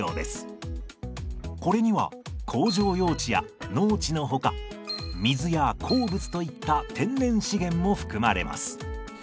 これには工場用地や農地のほか水や鉱物といった天然資源も含まれます。